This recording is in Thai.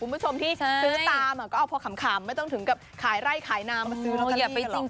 เออเออให้มันถึงเวลาก่อน